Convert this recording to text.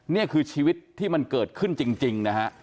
นี่คือชีวิตที่มันเกิดขึ้นจริงนะฮะ